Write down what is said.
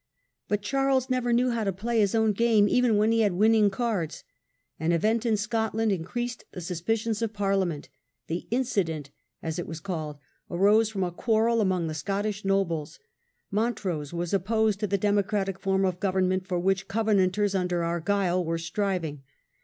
But Charles never knew how to play his own game even when he had winning cards. An event in Scotland Suspicions increased the suspicions of Parliament. The increasing. "Incident", as it was called, arose from a Oct. 164X. quarrel among the Scottish nobles. Mon trose was opposed to the democratic form of government for which Covenanters under Argyle were striving.